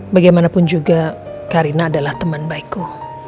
bagaimanapun juga karina adalah teman baikku